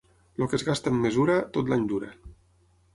El que es gasta amb mesura, tot l'any dura.